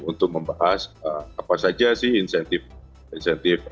untuk membahas apa saja sih insentif insentif